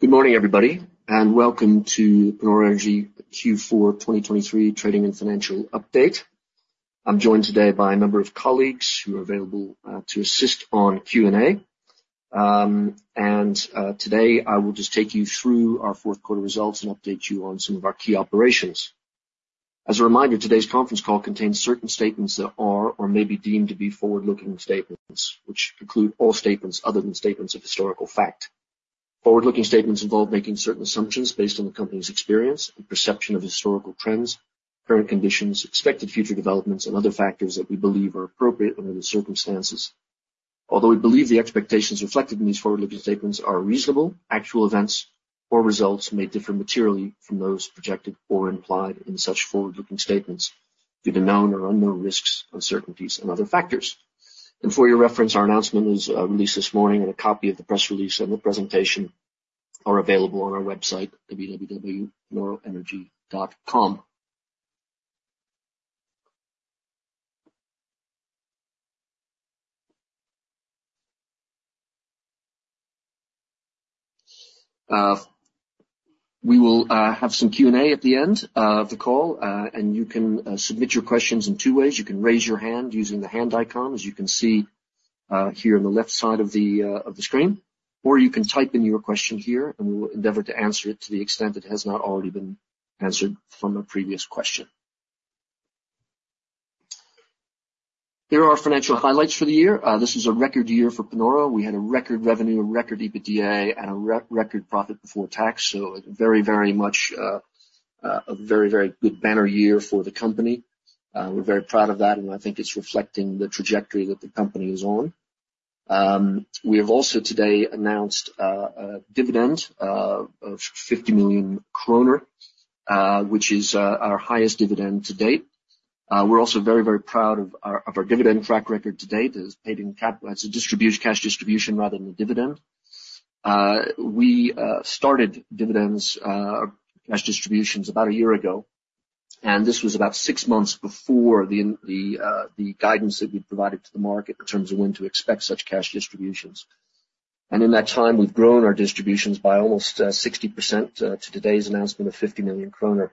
Good morning, everybody, and welcome to Panoro Energy Q4 2023 Trading and Financial Update. I'm joined today by a number of colleagues who are available to assist on Q&A. Today, I will just take you through our fourth quarter results and update you on some of our key operations. As a reminder, today's conference call contains certain statements that are or may be deemed to be forward-looking statements, which include all statements other than statements of historical fact. Forward-looking statements involve making certain assumptions based on the company's experience and perception of historical trends, current conditions, expected future developments, and other factors that we believe are appropriate under the circumstances. Although we believe the expectations reflected in these forward-looking statements are reasonable, actual events or results may differ materially from those projected or implied in such forward-looking statements due to known or unknown risks, uncertainties, and other factors. And for your reference, our announcement was released this morning, and a copy of the press release and the presentation are available on our website, www.panoroenergy.com. We will have some Q&A at the end of the call, and you can submit your questions in two ways. You can raise your hand using the hand icon, as you can see here on the left side of the of the screen, or you can type in your question here, and we will endeavor to answer it to the extent it has not already been answered from a previous question. Here are our financial highlights for the year. This was a record year for Panoro. We had a record revenue, a record EBITDA, and a record profit before tax, so very, very much a very, very good banner year for the company. We're very proud of that, and I think it's reflecting the trajectory that the company is on. We have also today announced a dividend of 50 million kroner, which is our highest dividend to date. We're also very proud of our dividend track record to date. It's a distribution, cash distribution rather than a dividend. We started dividends, cash distributions about a year ago, and this was about six months before the guidance that we'd provided to the market in terms of when to expect such cash distributions. In that time, we've grown our distributions by almost 60%, to today's announcement of 50 million kroner.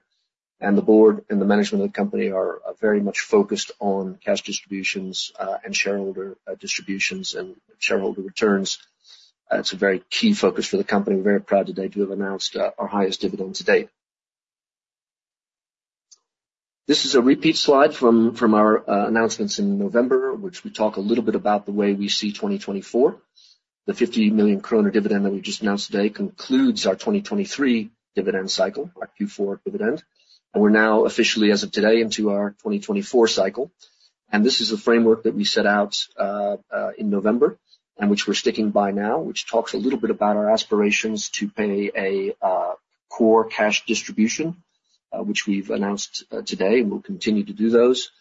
The board and the management of the company are very much focused on cash distributions and shareholder distributions and shareholder returns. It's a very key focus for the company. We're very proud today to have announced our highest dividend to date. This is a repeat slide from our announcements in November, which we talk a little bit about the way we see 2024. The 50 million kroner dividend that we just announced today concludes our 2023 dividend cycle, our Q4 dividend. We're now officially, as of today, into our 2024 cycle. This is a framework that we set out in November, and which we're sticking by now, which talks a little bit about our aspirations to pay a core cash distribution, which we've announced today, and we'll continue to do those.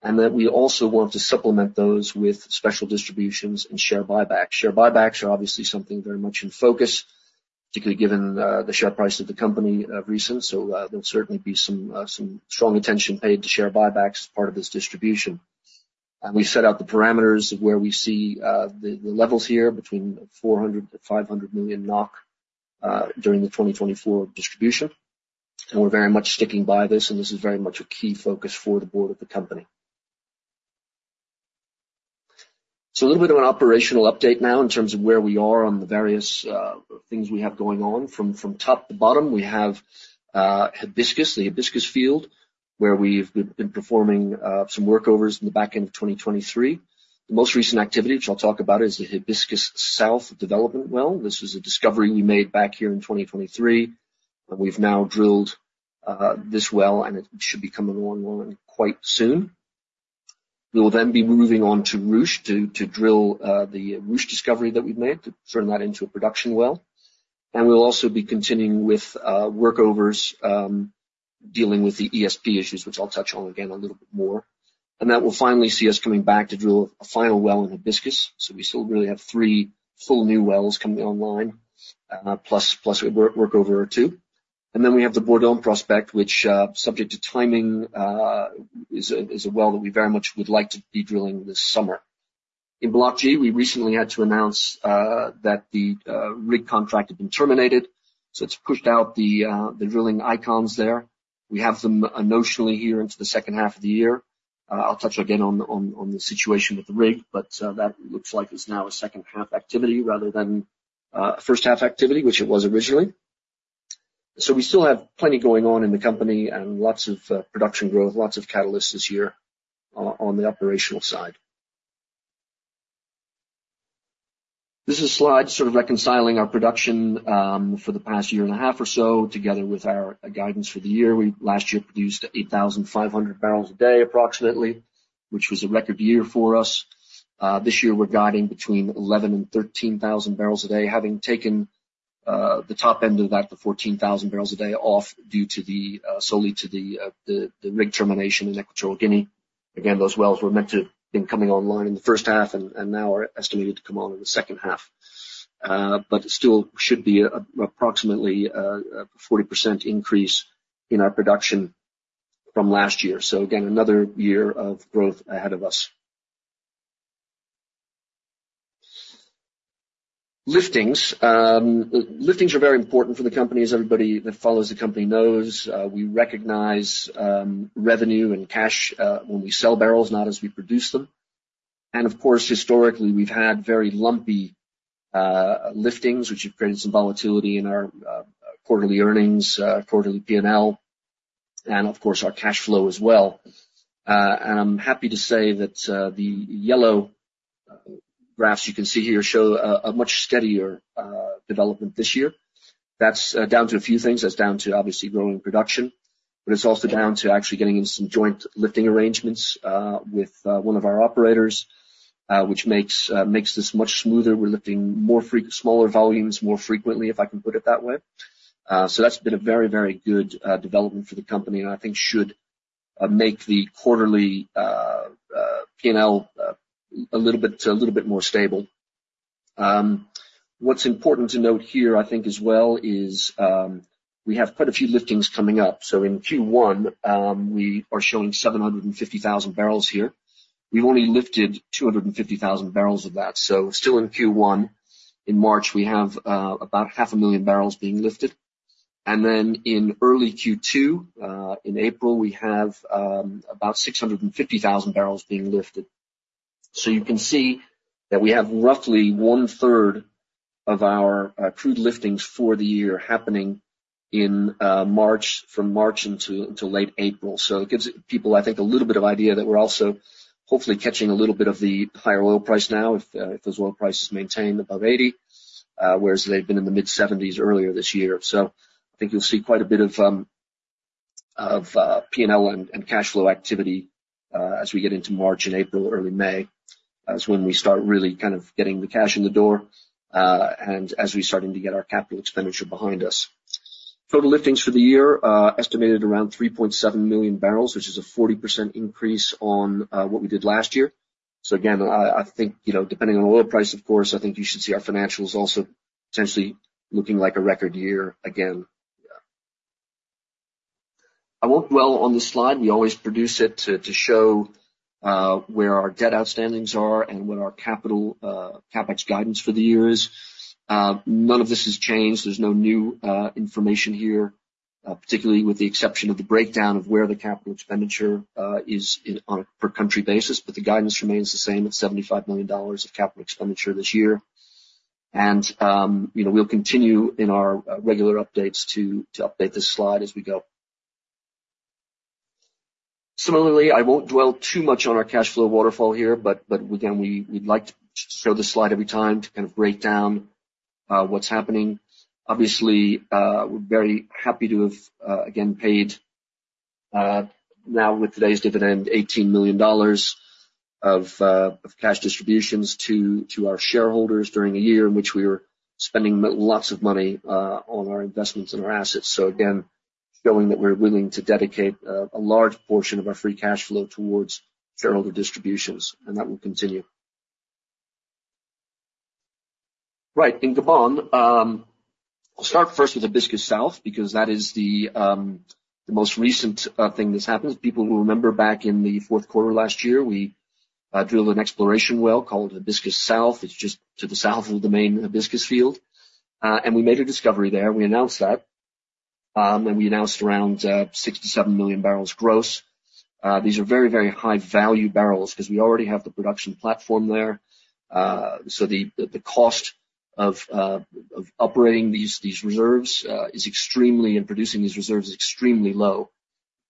Then we also want to supplement those with special distributions and share buybacks. Share buybacks are obviously something very much in focus, particularly given the share price of the company of recent. There'll certainly be some strong attention paid to share buybacks as part of this distribution. We set out the parameters of where we see the levels here between 400 million-500 million NOK during the 2024 distribution. We're very much sticking by this, and this is very much a key focus for the board of the company. So a little bit of an operational update now in terms of where we are on the various things we have going on. From top to bottom, we have Hibiscus, the Hibiscus field, where we've been performing some workovers in the back end of 2023. The most recent activity, which I'll talk about, is the Hibiscus South development well. This was a discovery we made back here in 2023, and we've now drilled this well, and it should be coming online quite soon. We will then be moving on to Ruche to drill the Ruche discovery that we've made, to turn that into a production well. And we'll also be continuing with workovers, dealing with the ESP issues, which I'll touch on again a little bit more. And that will finally see us coming back to drill a final well in Hibiscus. So we still really have three full new wells coming online, plus a workover or two. And then we have the Bourdon prospect, which, subject to timing, is a well that we very much would like to be drilling this summer. In Block G, we recently had to announce that the rig contract had been terminated, so it's pushed out the drilling icons there. We have them notionally here into the second half of the year. I'll touch again on the situation with the rig, but that looks like it's now a second half activity rather than first half activity, which it was originally. So we still have plenty going on in the company and lots of production growth, lots of catalysts this year on the operational side. This is a slide sort of reconciling our production for the past year and a half or so, together with our guidance for the year. We last year produced 8,500 barrels a day, approximately, which was a record year for us. This year, we're guiding between 11,000 and 13,000 barrels a day, having taken the top end of that, the 14,000 barrels a day, off due solely to the rig termination in Equatorial Guinea. Again, those wells were meant to have been coming online in the first half and now are estimated to come on in the second half. But it still should be approximately a 40% increase in our production from last year. So again, another year of growth ahead of us. Liftings. Liftings are very important for the company, as everybody that follows the company knows. We recognize revenue and cash when we sell barrels, not as we produce them. And of course, historically, we've had very lumpy liftings, which have created some volatility in our quarterly earnings, quarterly P&L, and of course, our cash flow as well. And I'm happy to say that the yellow graphs you can see here show a much steadier development this year. That's down to a few things. That's down to obviously growing production, but it's also down to actually getting into some joint lifting arrangements with one of our operators, which makes this much smoother. We're lifting more frequently smaller volumes more frequently, if I can put it that way. So that's been a very, very good development for the company, and I think should make the quarterly P&L a little bit more stable. What's important to note here, I think as well, is we have quite a few liftings coming up. So in Q1, we are showing 750,000 barrels here. We've only lifted 250,000 barrels of that. So still in Q1, in March, we have about 500,000 barrels being lifted. Then in early Q2, in April, we have about 650,000 barrels being lifted. So you can see that we have roughly one third of our crude liftings for the year happening in March, from March until late April. So it gives people, I think, a little bit of idea that we're also hopefully catching a little bit of the higher oil price now, if those oil prices maintain above $80, whereas they've been in the mid-$70s earlier this year. So I think you'll see quite a bit of P&L and cash flow activity as we get into March and April, early May. That's when we start really kind of getting the cash in the door, and as we're starting to get our capital expenditure behind us. Total liftings for the year estimated around 3.7 million barrels, which is a 40% increase on what we did last year. So again, I think, you know, depending on oil price, of course, I think you should see our financials also potentially looking like a record year again. I won't dwell on this slide. We always produce it to show where our debt outstanding are and what our capital CapEx guidance for the year is. None of this has changed. There's no new information here, particularly with the exception of the breakdown of where the capital expenditure is in on a per country basis, but the guidance remains the same at $75 million of capital expenditure this year. You know, we'll continue in our regular updates to update this slide as we go. Similarly, I won't dwell too much on our cash flow waterfall here, but again, we'd like to show this slide every time to kind of break down what's happening. Obviously, we're very happy to have again paid, now with today's dividend, $18 million of cash distributions to our shareholders during a year in which we were spending lots of money on our investments and our assets. So again, showing that we're willing to dedicate a large portion of our free cash flow towards shareholder distributions, and that will continue. Right, in Gabon, I'll start first with Hibiscus South, because that is the most recent thing that's happened. People will remember back in the fourth quarter last year, we drilled an exploration well called Hibiscus South. It's just to the south of the main Hibiscus field. And we made a discovery there, and we announced that. And we announced around 6 million-7 million barrels gross. These are very, very high-value barrels because we already have the production platform there. So the cost of operating these reserves is extremely, and producing these reserves is extremely low.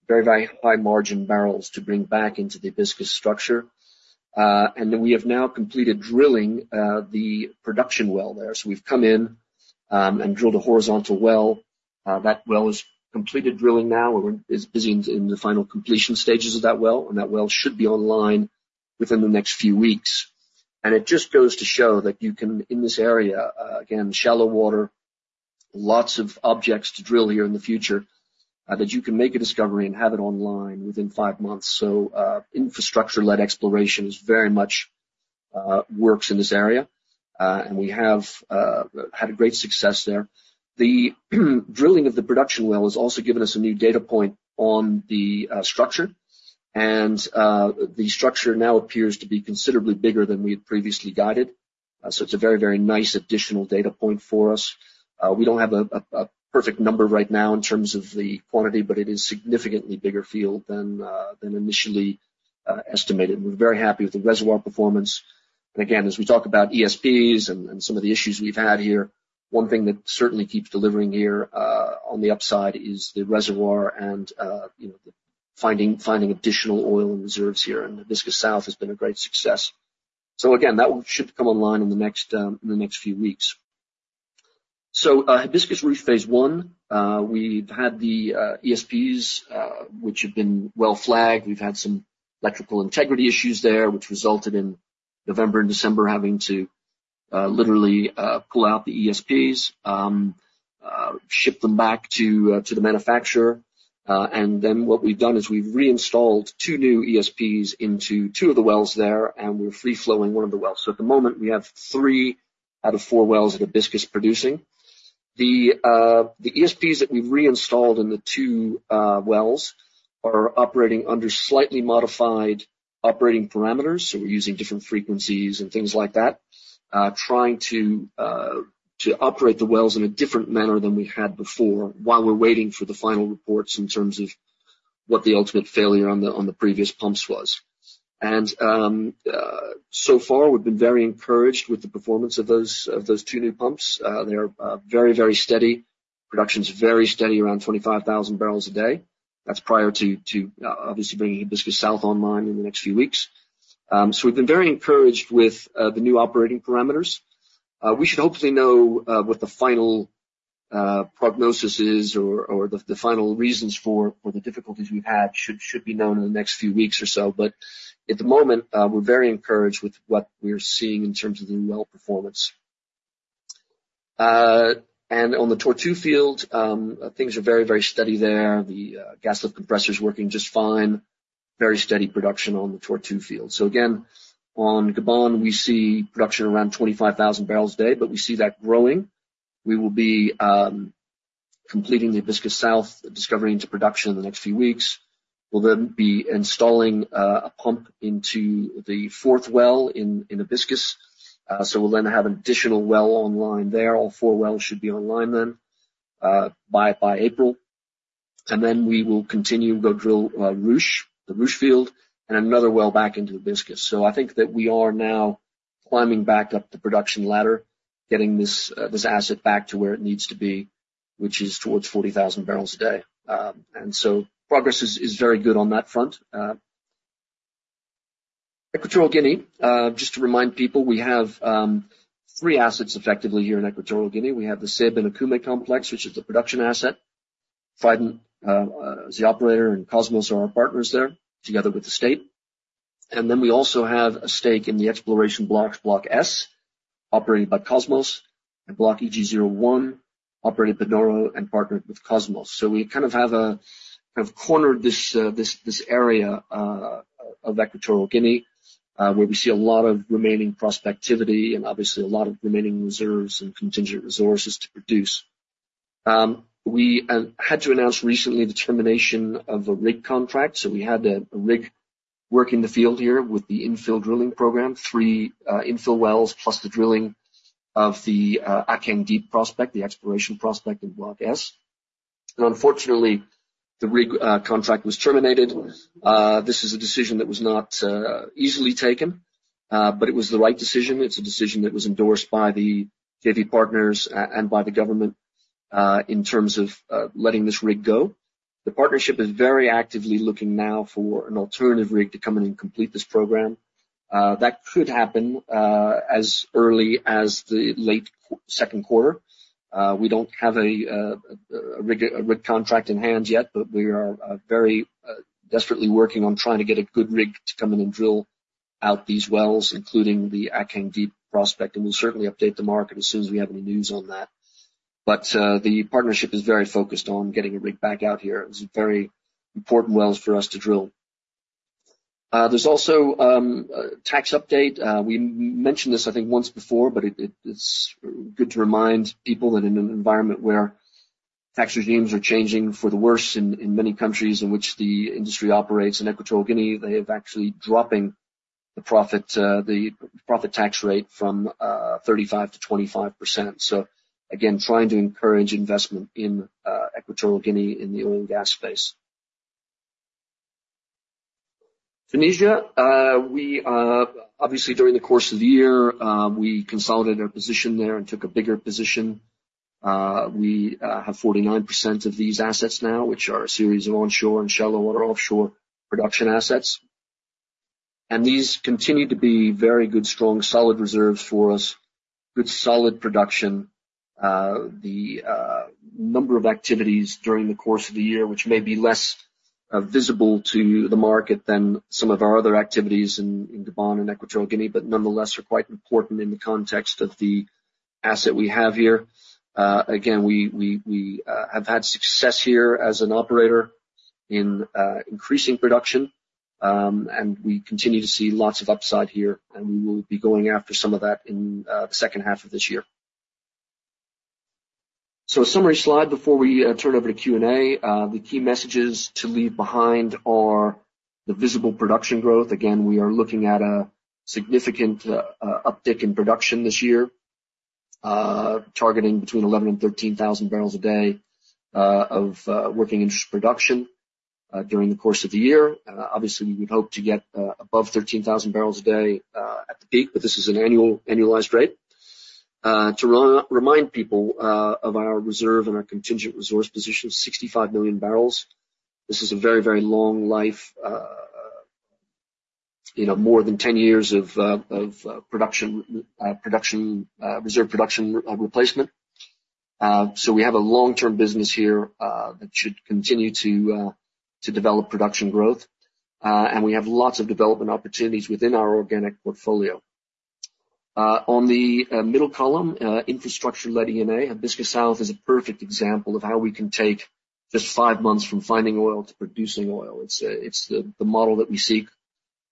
Very, very high-margin barrels to bring back into the Hibiscus structure. And then we have now completed drilling the production well there. So we've come in and drilled a horizontal well. That well has completed drilling now, and we're busy in the final completion stages of that well, and that well should be online within the next few weeks. It just goes to show that you can, in this area, again, shallow water, lots of objects to drill here in the future, that you can make a discovery and have it online within five months. Infrastructure-led exploration is very much works in this area, and we have had a great success there. The drilling of the production well has also given us a new data point on the structure, and the structure now appears to be considerably bigger than we had previously guided. So it's a very, very nice additional data point for us. We don't have a perfect number right now in terms of the quantity, but it is a significantly bigger field than initially estimated. We're very happy with the reservoir performance. And again, as we talk about ESPs and some of the issues we've had here, one thing that certainly keeps delivering here on the upside is the reservoir and, you know, finding additional oil and reserves here, and Hibiscus South has been a great success. So again, that one should come online in the next few weeks. So, Hibiscus Ruche phase I, we've had the ESPs, which have been well flagged. We've had some electrical integrity issues there, which resulted in November and December having to literally pull out the ESPs, and ship them back to the manufacturer. And then what we've done is we've reinstalled two new ESPs into two of the wells there, and we're free flowing one of the wells. So at the moment, we have three out of four wells at Hibiscus producing. The ESPs that we've reinstalled in the two wells are operating under slightly modified operating parameters, so we're using different frequencies and things like that. Trying to operate the wells in a different manner than we had before, while we're waiting for the final reports in terms of what the ultimate failure on the previous pumps was. So far, we've been very encouraged with the performance of those, of those two new pumps. They are very, very steady. Production's very steady, around 25,000 barrels a day. That's prior to obviously bringing Hibiscus South online in the next few weeks. So we've been very encouraged with the new operating parameters. We should hopefully know what the final prognosis is or the final reasons for the difficulties we've had, should be known in the next few weeks or so. But at the moment, we're very encouraged with what we're seeing in terms of the well performance. On the Tortue field, things are very, very steady there. The gas lift compressor is working just fine. Very steady production on the Tortue field. So again, on Gabon, we see production around 25,000 barrels a day, but we see that growing. We will be completing the Hibiscus South discovery into production in the next few weeks. We'll then be installing a pump into the fourth well in Hibiscus. So we'll then have an additional well online there. All four wells should be online then by April. And then we will continue to go drill Ruche, the Ruche field, and another well back into Hibiscus. So I think that we are now climbing back up the production ladder, getting this asset back to where it needs to be, which is towards 40,000 barrels a day. And so progress is very good on that front. Equatorial Guinea, just to remind people, we have three assets effectively here in Equatorial Guinea. We have the Ceiba and Okume Complex, which is a production asset. Trident is the operator, and Kosmos are our partners there, together with the state. Then we also have a stake in the exploration blocks, Block S, operated by Kosmos, and Block EG-01, operated by Panoro and partnered with Kosmos. So we kind of have cornered this area of Equatorial Guinea where we see a lot of remaining prospectivity and obviously a lot of remaining reserves and contingent resources to produce. We had to announce recently the termination of a rig contract, so we had a rig working the field here with the infill drilling program, three infill wells, plus the drilling of the Akeng Deep prospect, the exploration prospect in Block S. Unfortunately, the rig contract was terminated. This is a decision that was not easily taken, but it was the right decision. It's a decision that was endorsed by the JV partners and by the government, in terms of letting this rig go. The partnership is very actively looking now for an alternative rig to come in and complete this program. That could happen as early as the late second quarter. We don't have a rig contract in hand yet, but we are very desperately working on trying to get a good rig to come in and drill out these wells, including the Akeng Deep prospect. And we'll certainly update the market as soon as we have any news on that. But the partnership is very focused on getting a rig back out here. It's very important wells for us to drill. There's also a tax update. We mentioned this, I think, once before, but it's good to remind people that in an environment where tax regimes are changing for the worse in many countries in which the industry operates, in Equatorial Guinea, they have actually dropping the profit tax rate from 35% to 25%. So again, trying to encourage investment in Equatorial Guinea in the oil and gas space. Tunisia, we obviously, during the course of the year, we consolidated our position there and took a bigger position. We have 49% of these assets now, which are a series of onshore and shallow water offshore production assets. These continue to be very good, strong, solid reserves for us, good solid production. The number of activities during the course of the year, which may be less visible to the market than some of our other activities in Gabon and Equatorial Guinea, but nonetheless, are quite important in the context of the asset we have here. Again, we have had success here as an operator in increasing production. And we continue to see lots of upside here, and we will be going after some of that in the second half of this year. So a summary slide before we turn over to Q&A. The key messages to leave behind are the visible production growth. Again, we are looking at a significant uptick in production this year, targeting between 11 and 13 thousand barrels a day of working interest production during the course of the year. Obviously, we'd hope to get above 13 thousand barrels a day at the peak, but this is an annual, annualized rate. To remind people of our reserve and our contingent resource position, 65 million barrels. This is a very, very long life, you know, more than 10 years of production reserve replacement. So we have a long-term business here that should continue to develop production growth, and we have lots of development opportunities within our organic portfolio. On the middle column, infrastructure-led M&A, Hibiscus South is a perfect example of how we can take just five months from finding oil to producing oil. It's the model that we seek,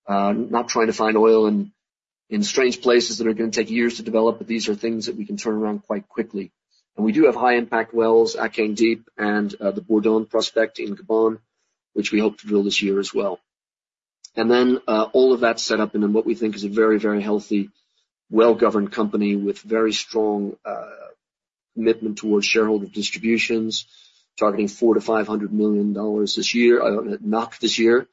not trying to find oil in strange places that are gonna take years to develop, but these are things that we can turn around quite quickly. And we do have high-impact wells, Akeng Deep and the Bourdon prospect in Gabon, which we hope to drill this year as well. And then all of that's set up in what we think is a very, very healthy, well-governed company with very strong commitment towards shareholder distributions, targeting $400 million-$500 million this year, NOK this year,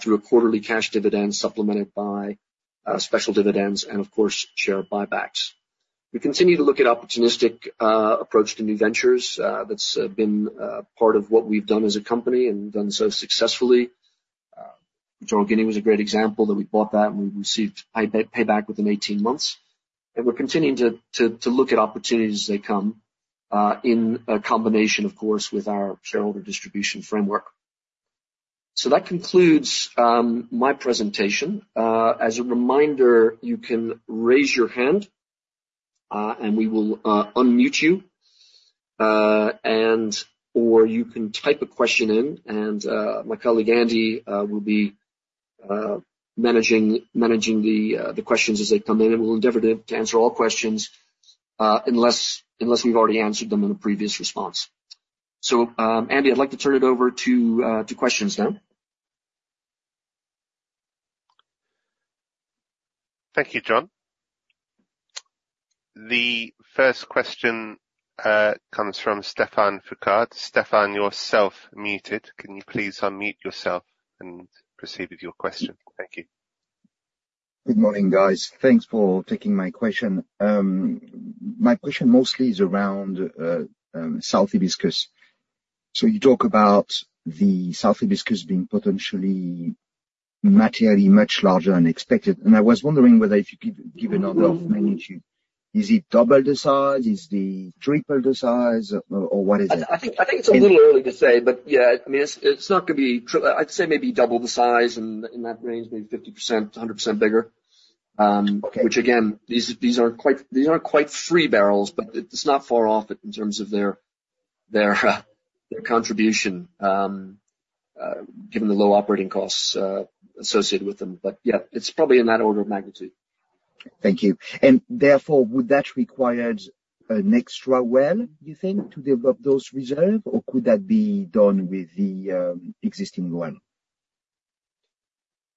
through a quarterly cash dividend, supplemented by special dividends and of course, share buybacks. We continue to look at opportunistic approach to new ventures. That's been part of what we've done as a company, and done so successfully. Equatorial Guinea was a great example, that we bought that and we received payback within 18 months. We're continuing to look at opportunities as they come, in a combination, of course, with our shareholder distribution framework. That concludes my presentation. As a reminder, you can raise your hand, and we will unmute you, and or you can type a question in. My colleague, Andy, will be managing the questions as they come in. We'll endeavor to answer all questions, unless we've already answered them in a previous response. So, Andy, I'd like to turn it over to questions now. Thank you, John. The first question comes from Stéphane Foucaud. Stéphane, you're self-muted. Can you please unmute yourself and proceed with your question? Thank you. Good morning, guys. Thanks for taking my question. My question mostly is around South Hibiscus. So you talk about the South Hibiscus being potentially materially, much larger than expected. And I was wondering whether if you could give, give an order of magnitude, is it double the size? Is it triple the size or, or what is it? I think it's a little early to say, but yeah, I mean, it's not gonna be triple... I'd say maybe double the size in that range, maybe 50%-100% bigger. Um, okay. Which again, these aren't quite free barrels, but it's not far off in terms of their contribution, given the low operating costs associated with them. But yeah, it's probably in that order of magnitude. Thank you. And therefore, would that require an extra well, you think, to develop those reserves? Or could that be done with the existing well?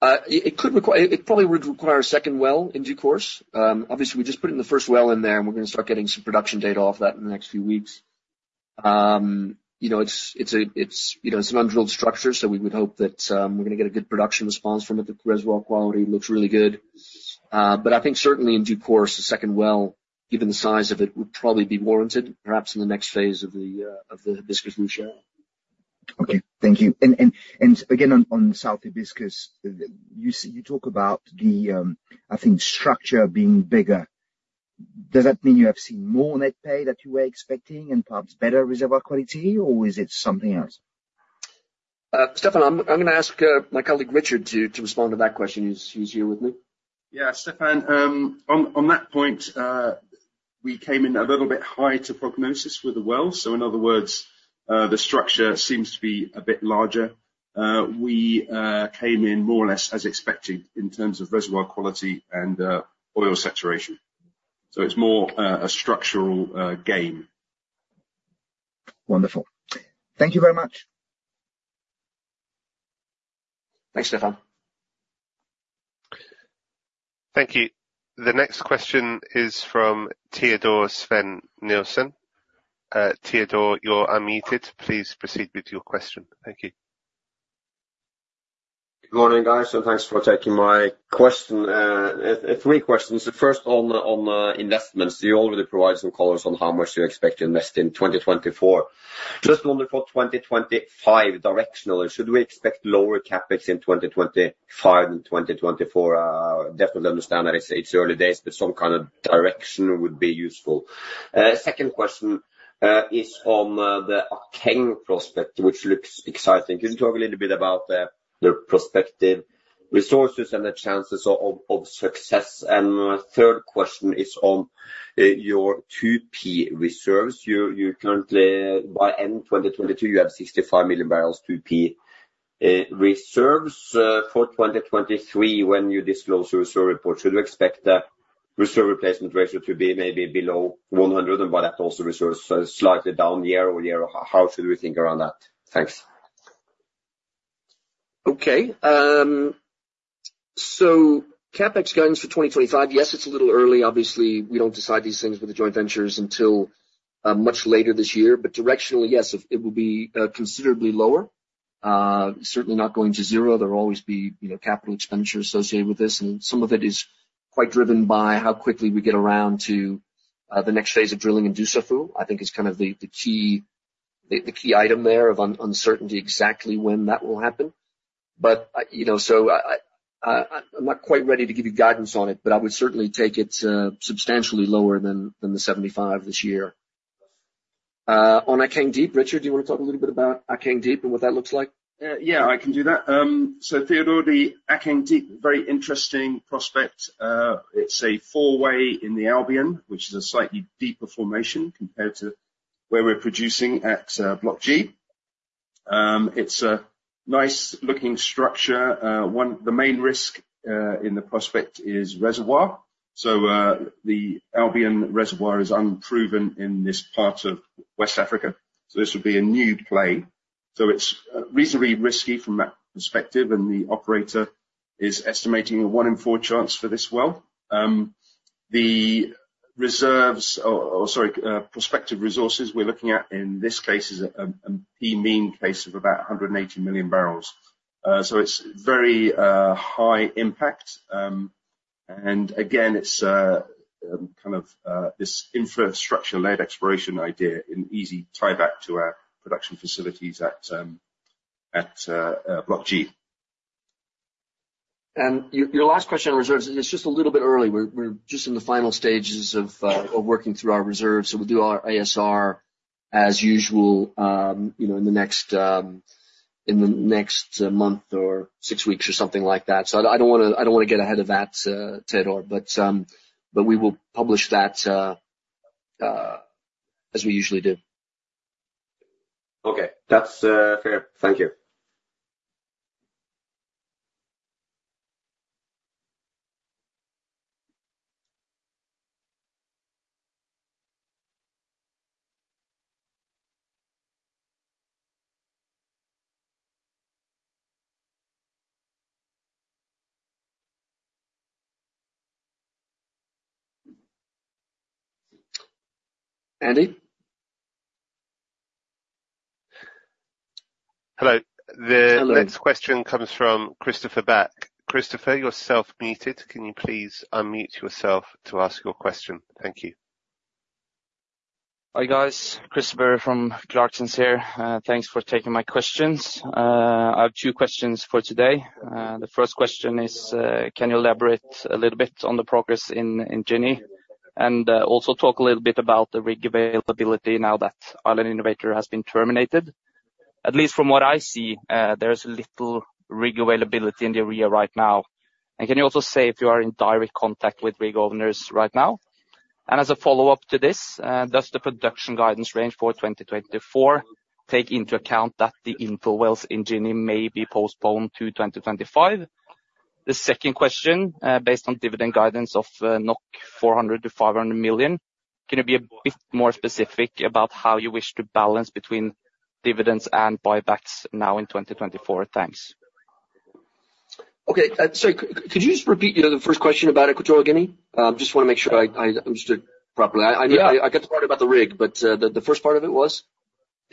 It probably would require a second well in due course. Obviously, we're just putting the first well in there, and we're gonna start getting some production data off that in the next few weeks. You know, it's an undrilled structure, so we would hope that we're gonna get a good production response from it. The reservoir quality looks really good. But I think certainly in due course, a second well, given the size of it, would probably be warranted, perhaps in the next phase of the Hibiscus Ruche. Okay. Thank you. And again, on Hibiscus South, you talk about the, I think, structure being bigger. Does that mean you have seen more net pay than you were expecting and perhaps better reservoir quality, or is it something else? Stéphane, I'm gonna ask my colleague, Richard, to respond to that question. He's here with me. Yeah, Stéphane, on that point, we came in a little bit higher to prognosis with the well. So in other words, the structure seems to be a bit larger. We came in more or less as expected in terms of reservoir quality and oil saturation. So it's more a structural gain. Wonderful. Thank you very much. Thanks, Stéphane. Thank you. The next question is from Teodor Sveen-Nilsen. Teodor, you're unmuted. Please proceed with your question. Thank you. Good morning, guys, and thanks for taking my question. Three questions. The first on investments. You already provided some colors on how much you expect to invest in 2024. Just wondering for 2025, directionally, should we expect lower CapEx in 2025 than 2024? Definitely understand that it's early days, but some kind of direction would be useful. The second question is on the Akeng Deep prospect, which looks exciting. Can you talk a little bit about the prospective resources and the chances of success? And third question is on your 2P reserves. You currently, by end 2022, you have 65 million barrels, 2P reserves. For 2023, when you disclose your reserve report, should we expect the reserve replacement ratio to be maybe below 100, and by that, also reserves are slightly down year-over-year? How should we think around that? Thanks. Okay. So CapEx guidance for 2025, yes, it's a little early. Obviously, we don't decide these things with the joint ventures until much later this year. But directionally, yes, it will be considerably lower. Certainly not going to zero. There will always be, you know, capital expenditure associated with this, and some of it is quite driven by how quickly we get around to the next phase of drilling in Dussafu. I think it's kind of the key item there of uncertainty, exactly when that will happen. But, you know, so I'm not quite ready to give you guidance on it, but I would certainly take it substantially lower than the $75 this year. On Akeng Deep, Richard, do you want to talk a little bit about Akeng Deep and what that looks like? Yeah, I can do that. So Teodor, the Akeng Deep, very interesting prospect. It's a four-way in the Albian, which is a slightly deeper formation compared to where we're producing at, Block G. It's a nice looking structure. One, the main risk in the prospect is reservoir. So, the Albian reservoir is unproven in this part of West Africa, so this would be a new play. So it's reasonably risky from that perspective, and the operator is estimating a one in four chance for this well. The reserves or, or sorry, prospective resources we're looking at in this case is, the mean case of about 180 million barrels. So it's very high impact. And again, it's kind of this infrastructure-led exploration idea, an easy tie back to our production facilities at Block G. And your last question on reserves, it's just a little bit early. We're just in the final stages of working through our reserves. So we'll do our ASR as usual, you know, in the next month or six weeks or something like that. So I don't wanna get ahead of that, Teodor. But we will publish that as we usually do. Okay. That's fair. Thank you. Andy? Hello. Hello. The next question comes from Christoffer Bachke. Christoffer, you're self-muted. Can you please unmute yourself to ask your question? Thank you. Hi, guys. Christoffer from Clarksons here. Thanks for taking my questions. I have two questions for today. The first question is, can you elaborate a little bit on the progress in Guinea, and also talk a little bit about the rig availability now that Island Innovator has been terminated? At least from what I see, there's little rig availability in the area right now. And can you also say if you are in direct contact with rig owners right now? And as a follow-up to this, does the production guidance range for 2024 take into account that the infill wells in Guinea may be postponed to 2025? The second question, based on dividend guidance of 400 million-500 million, can you be a bit more specific about how you wish to balance between dividends and buybacks now in 2024? Thanks. Okay, sorry, could you just repeat, you know, the first question about Equatorial Guinea? Just wanna make sure I understood properly. Yeah. I get the part about the rig, but the first part of it was?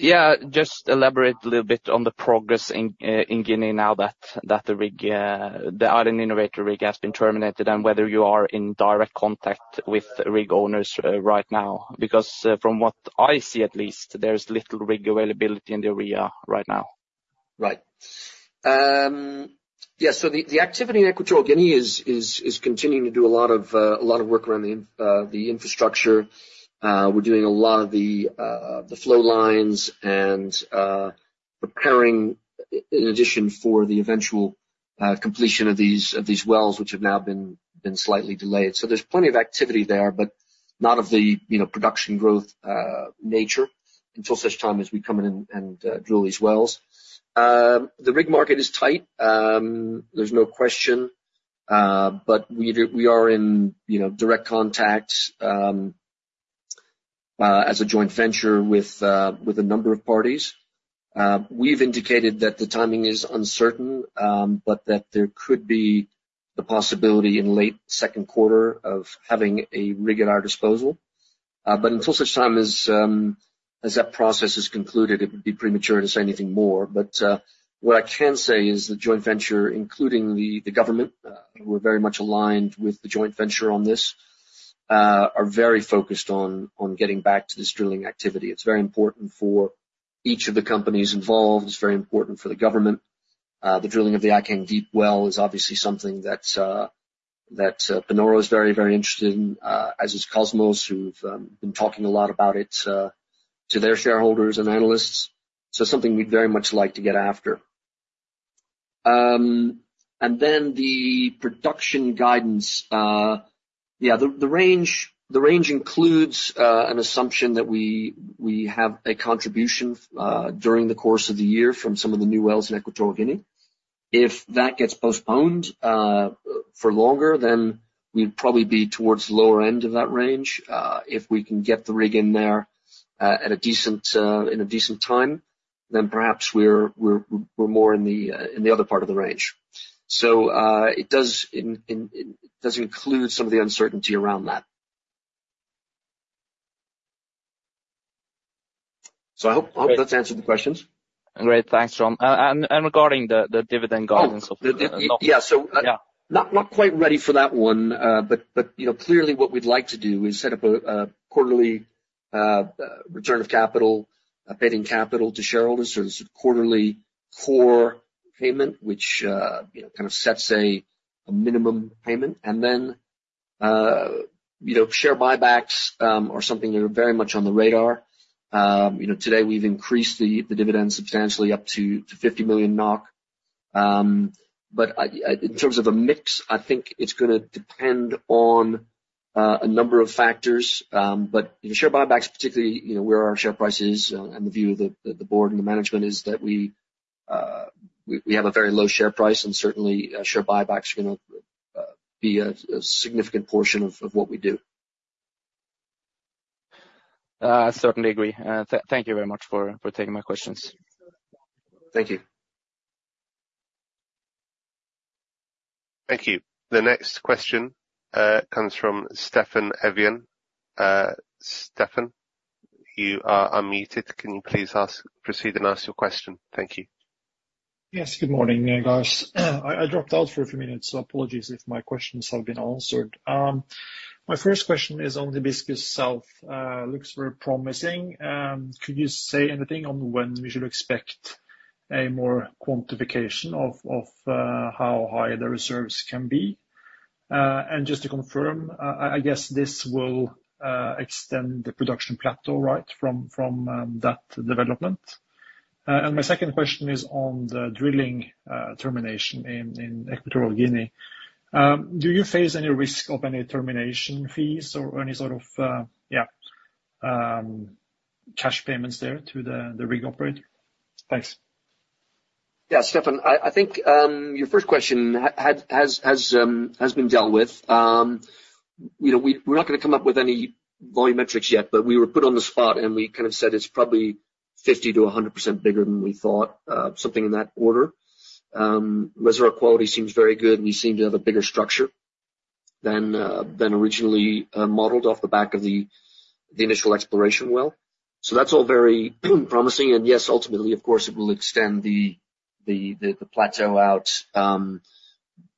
Yeah, just elaborate a little bit on the progress in Guinea now that the Island Innovator rig has been terminated, and whether you are in direct contact with rig owners right now. Because, from what I see, at least, there's little rig availability in the area right now. Right. Yeah, so the activity in Equatorial Guinea is continuing to do a lot of work around the infrastructure. We're doing a lot of the flow lines and preparing, in addition, for the eventual completion of these wells, which have now been slightly delayed. So there's plenty of activity there, but not of the, you know, production growth nature, until such time as we come in and drill these wells. The rig market is tight, there's no question. But we are in, you know, direct contact as a joint venture with a number of parties. We've indicated that the timing is uncertain, but that there could be the possibility in late second quarter of having a rig at our disposal. But until such time as that process is concluded, it would be premature to say anything more. But what I can say is the joint venture, including the government, who are very much aligned with the joint venture on this, are very focused on getting back to this drilling activity. It's very important for each of the companies involved. It's very important for the government. The drilling of the Akeng Deep well is obviously something that Panoro is very, very interested in, as is Kosmos, who've been talking a lot about it to their shareholders and analysts. So something we'd very much like to get after. And then the production guidance. Yeah, the range includes an assumption that we have a contribution during the course of the year from some of the new wells in Equatorial Guinea. If that gets postponed for longer, then we'd probably be towards the lower end of that range. If we can get the rig in there at a decent time, then perhaps we're more in the other part of the range. So, it does include some of the uncertainty around that. So I hope that's answered the questions. Great. Thanks, John. And regarding the dividend guidance of- Oh, yeah. Yeah. So, not quite ready for that one. But you know, clearly what we'd like to do is set up a quarterly return of capital, paying capital to shareholders, or this quarterly core payment, which you know, kind of sets a minimum payment. And then you know, share buybacks are something that are very much on the radar. You know, today we've increased the dividend substantially up to 50 million NOK. But in terms of the mix, I think it's gonna depend on a number of factors. But, you know, share buybacks, particularly, you know, where our share price is, and the view of the board and the management is that we have a very low share price, and certainly, share buybacks are gonna be a significant portion of what we do. I certainly agree. Thank you very much for taking my questions. Thank you. Thank you. The next question comes from Stéphane Foucaud. Stéphane, you are unmuted. Can you please ask, proceed and ask your question? Thank you. Yes, good morning, guys. I dropped out for a few minutes, so apologies if my questions have been answered. My first question is on the Hibiscus South. Looks very promising. Could you say anything on when we should expect a more quantification of how high the reserves can be? And just to confirm, I guess this will extend the production plateau, right, from that development? And my second question is on the drilling termination in Equatorial Guinea. Do you face any risk of any termination fees or any sort of cash payments there to the rig operator? Thanks. Yeah, Stéphane, I think your first question has been dealt with. You know, we're not gonna come up with any volume metrics yet, but we were put on the spot, and we kind of said it's probably 50%-100% bigger than we thought, something in that order. Reserve quality seems very good, and we seem to have a bigger structure than originally modeled off the back of the initial exploration well. So that's all very promising, and yes, ultimately, of course, it will extend the plateau out,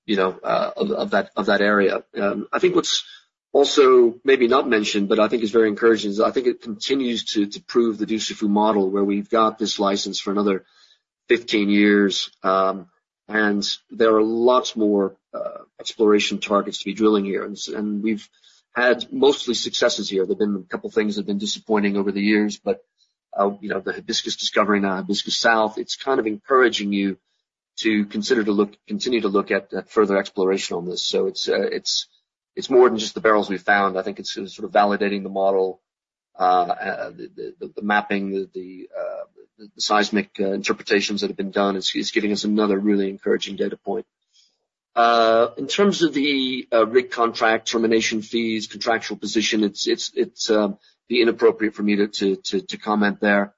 you know, of that area. I think what's also maybe not mentioned, but I think is very encouraging, is I think it continues to prove the Dussafu model, where we've got this license for another 15 years. And there are lots more exploration targets to be drilling here, and we've had mostly successes here. There have been a couple of things that have been disappointing over the years, but you know, the Hibiscus discovery, now Hibiscus South, it's kind of encouraging you to consider continue to look at further exploration on this. So it's more than just the barrels we've found. I think it's sort of validating the model, the mapping, the seismic interpretations that have been done. It's giving us another really encouraging data point. In terms of the rig contract, termination fees, contractual position, it's be inappropriate for me to comment there.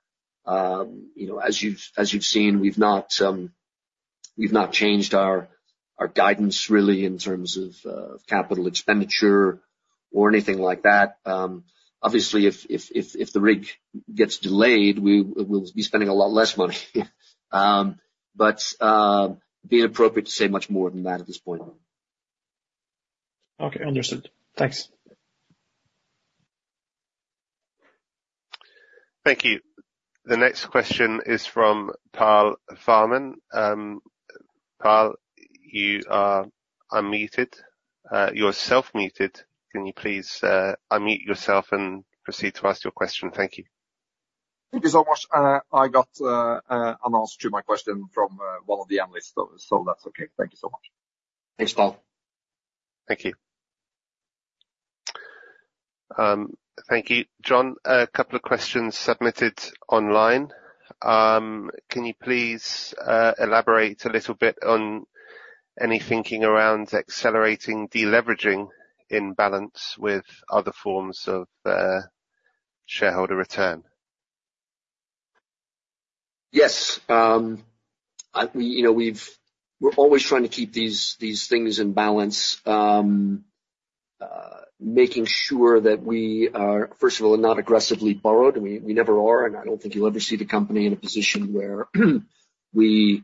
You know, as you've seen, we've not changed our guidance really in terms of capital expenditure or anything like that. Obviously, if the rig gets delayed, we'll be spending a lot less money. But it'd be inappropriate to say much more than that at this point. Okay, understood. Thanks. Thank you. The next question is from Carl Farman. Carl, you are unmuted. You're self-muted. Can you please unmute yourself and proceed to ask your question? Thank you. Thank you so much. I got an answer to my question from one of the analysts, so that's okay. Thank you so much. Thanks, Carl. Thank you. Thank you. John, a couple of questions submitted online. Can you please elaborate a little bit on any thinking around accelerating, de-leveraging in balance with other forms of shareholder return? Yes. You know, we've- we're always trying to keep these things in balance, making sure that we are, first of all, not aggressively borrowed. We never are, and I don't think you'll ever see the company in a position where we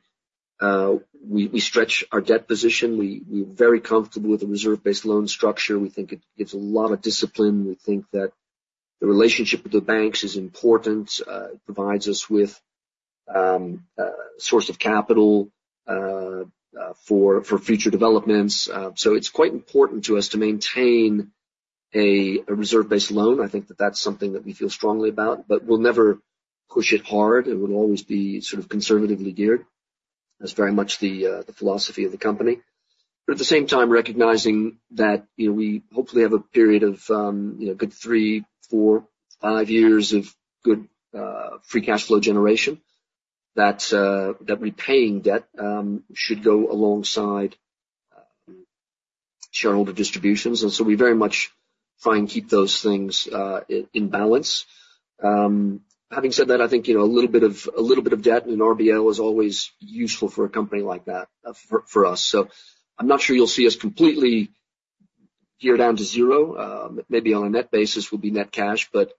stretch our debt position. We're very comfortable with the reserve-based loan structure. We think it gives a lot of discipline. We think that the relationship with the banks is important. It provides us with source of capital for future developments. So it's quite important to us to maintain a reserve-based loan. I think that's something that we feel strongly about, but we'll never push it hard. It would always be sort of conservatively geared. That's very much the philosophy of the company. But at the same time, recognizing that, you know, we hopefully have a period of, you know, good three, four, five years of good free cash flow generation, that, that repaying debt should go alongside shareholder distributions, and so we very much try and keep those things in balance. Having said that, I think, you know, a little bit of, a little bit of debt in RBL is always useful for a company like that, for us. So I'm not sure you'll see us completely gear down to zero. Maybe on a net basis, we'll be net cash, but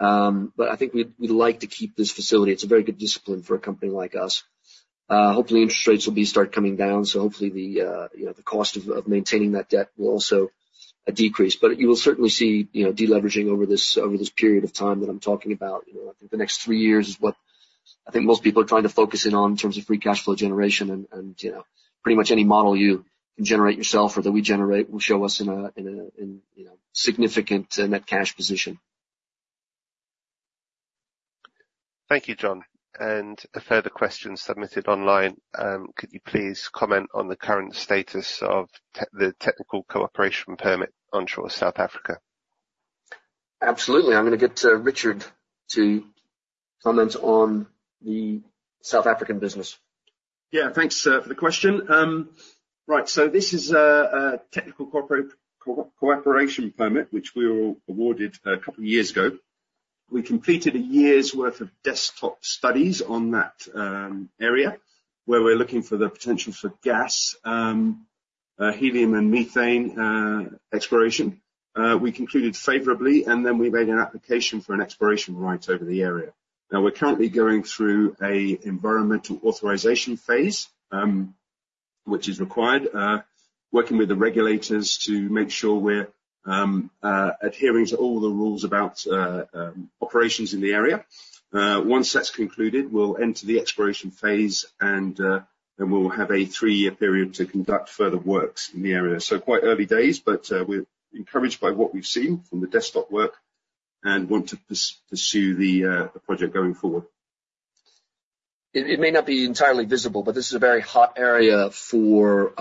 I think we'd like to keep this facility. It's a very good discipline for a company like us. Hopefully, interest rates will be start coming down, so hopefully the, you know, the cost of maintaining that debt will also decrease. But you will certainly see, you know, de-leveraging over this period of time that I'm talking about. You know, I think the next three years is what I think most people are trying to focus in on in terms of free cash flow generation, and, you know, pretty much any model you can generate yourself or that we generate will show us in a significant net cash position. Thank you, John. A further question submitted online. Could you please comment on the current status of the technical cooperation permit onshore South Africa? Absolutely. I'm gonna get Richard to comment on the South African business. Yeah, thanks for the question. Right, so this is a technical cooperation permit, which we were awarded a couple of years ago. We completed a year's worth of desktop studies on that area, where we're looking for the potential for gas, helium and methane exploration. We concluded favorably, and then we made an application for an exploration right over the area. Now, we're currently going through an environmental authorization phase, which is required, working with the regulators to make sure we're adhering to all the rules about operations in the area. Once that's concluded, we'll enter the exploration phase, and then we'll have a three-year period to conduct further works in the area. Quite early days, but we're encouraged by what we've seen from the desktop work and want to pursue the project going forward. It may not be entirely visible, but this is a very hot area for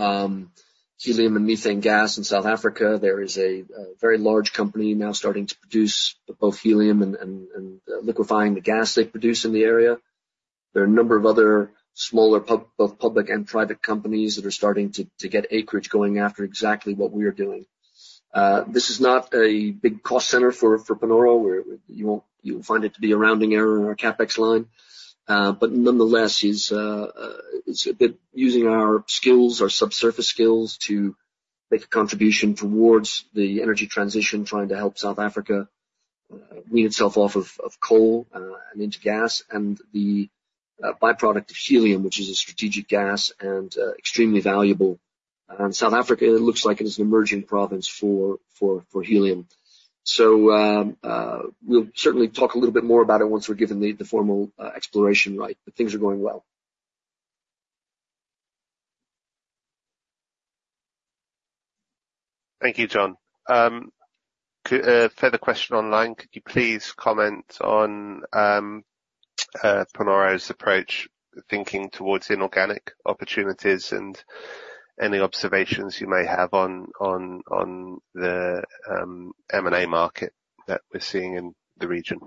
helium and methane gas in South Africa. There is a very large company now starting to produce both helium and liquefying the gas they produce in the area. There are a number of other smaller both public and private companies that are starting to get acreage going after exactly what we are doing. This is not a big cost center for Panoro, where you won't-you'll find it to be a rounding error in our CapEx line. But nonetheless, it's a bit using our skills, our subsurface skills, to make a contribution towards the energy transition, trying to help South Africa wean itself off of coal and into gas, and the byproduct of helium, which is a strategic gas and extremely valuable. And South Africa, it looks like it is an emerging province for helium. So, we'll certainly talk a little bit more about it once we're given the formal exploration right. But things are going well. Thank you, John. Further question online. Could you please comment on Panoro's approach, thinking towards inorganic opportunities and any observations you may have on the M&A market that we're seeing in the region?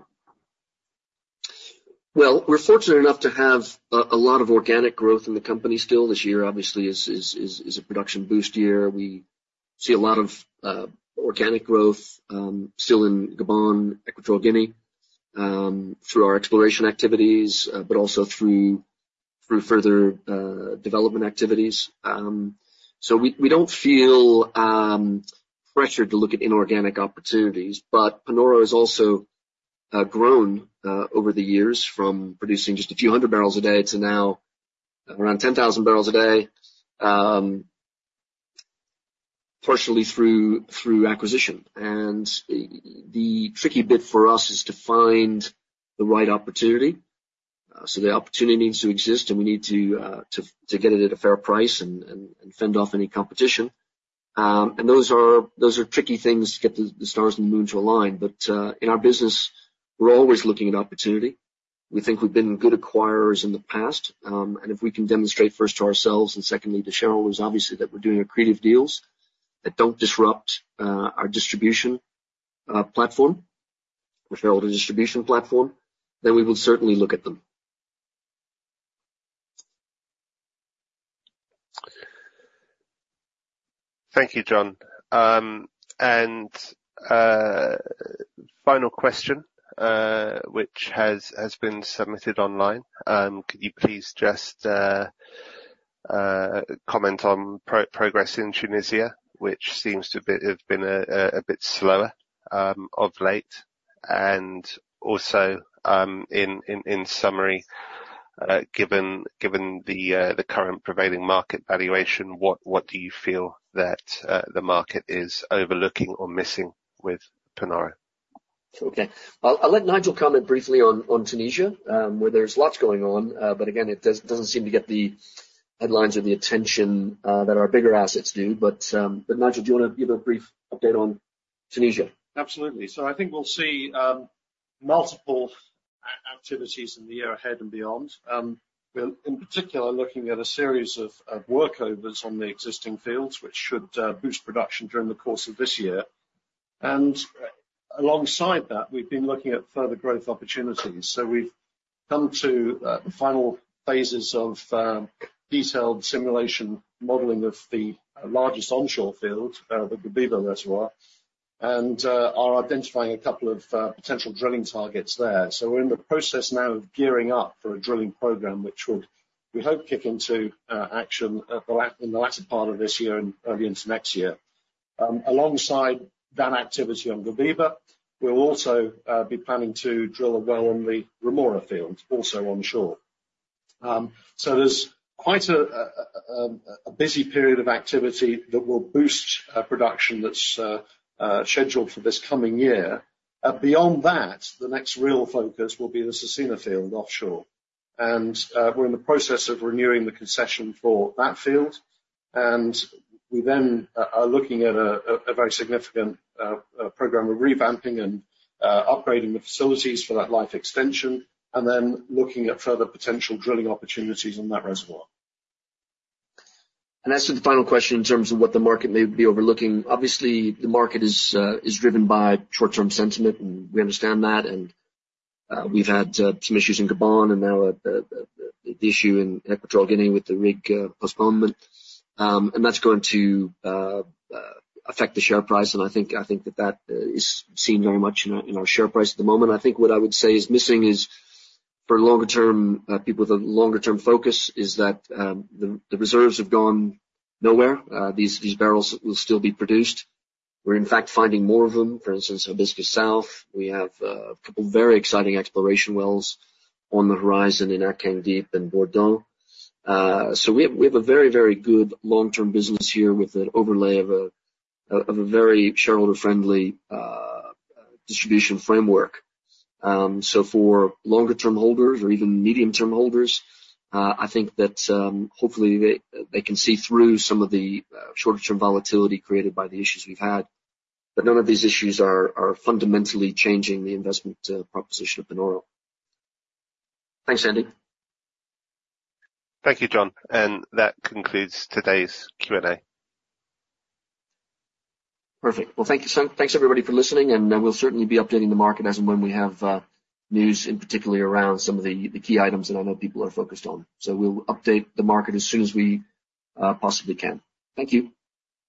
Well, we're fortunate enough to have a lot of organic growth in the company still. This year, obviously, is a production boost year. We see a lot of organic growth still in Gabon, Equatorial Guinea, through our exploration activities, but also through further development activities. So we don't feel pressured to look at inorganic opportunities. But Panoro has also grown over the years from producing just a few hundred barrels a day to now around 10,000 barrels a day, partially through acquisition. And the tricky bit for us is to find the right opportunity. So the opportunity needs to exist, and we need to get it at a fair price and fend off any competition. And those are tricky things to get the stars and the moon to align. But in our business, we're always looking at opportunity. We think we've been good acquirers in the past, and if we can demonstrate first to ourselves and secondly to shareholders, obviously, that we're doing accretive deals that don't disrupt our distribution platform, referred to as distribution platform, then we will certainly look at them. Thank you, John. Final question, which has been submitted online. Could you please just comment on progress in Tunisia, which seems to have been a bit slower of late, and also, in summary, given the current prevailing market valuation, what do you feel that the market is overlooking or missing with Panoro? Okay. I'll let Nigel comment briefly on Tunisia, where there's lots going on, but again, it doesn't seem to get the headlines or the attention that our bigger assets do. But Nigel, do you wanna give a brief update on Tunisia? Absolutely. So I think we'll see multiple activities in the year ahead and beyond. We're, in particular, looking at a series of workovers on the existing fields, which should boost production during the course of this year. And alongside that, we've been looking at further growth opportunities. So we've come to the final phases of detailed simulation modeling of the largest onshore field, the Guebiba reservoir, and are identifying a couple of potential drilling targets there. So we're in the process now of gearing up for a drilling program which would, we hope, kick into action in the latter part of this year and early into next year. Alongside that activity on Guebiba, we'll also be planning to drill a well on the Rhemoura field, also onshore. So there's quite a busy period of activity that will boost production that's scheduled for this coming year. Beyond that, the next real focus will be the Cercina field, offshore. And we're in the process of renewing the concession for that field, and we then are looking at a very significant program of revamping and upgrading the facilities for that life extension, and then looking at further potential drilling opportunities on that reservoir. As to the final question, in terms of what the market may be overlooking, obviously the market is driven by short-term sentiment, and we understand that. We've had some issues in Gabon and now the issue in Equatorial Guinea with the rig postponement. And that's going to affect the share price, and I think that that is seen very much in our share price at the moment. I think what I would say is missing is, for longer term, people with a longer-term focus, is that the reserves have gone nowhere. These barrels will still be produced. We're in fact finding more of them, for instance, Hibiscus South. We have a couple of very exciting exploration wells on the horizon in Akeng Deep and Bourdon. So we have, we have a very, very good long-term business here with an overlay of a, of a very shareholder-friendly, distribution framework. So for longer-term holders or even medium-term holders, I think that, hopefully, they, they can see through some of the, shorter-term volatility created by the issues we've had. But none of these issues are, are fundamentally changing the investment, proposition of Panoro. Thanks, Andy. Thank you, John. That concludes today's Q&A. Perfect. Well, thank you, thanks everybody for listening, and we'll certainly be updating the market as and when we have news, in particular around some of the key items that I know people are focused on. So we'll update the market as soon as we possibly can. Thank you.